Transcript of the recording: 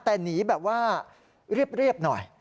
แต่หนีแบบว่าเรียบหน่อย